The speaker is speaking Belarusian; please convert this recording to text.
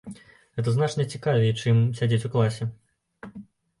Гэта значна цікавей, чым сядзець у класе.